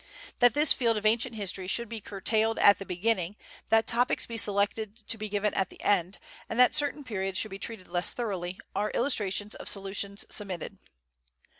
That this field of ancient history should be curtailed at the beginning, that topics be selected to be given at the end, and that certain periods should be treated less thoroughly, are illustrations of solutions submitted.